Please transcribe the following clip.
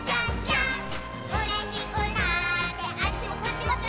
「うれしくなってあっちもこっちもぴょぴょーん」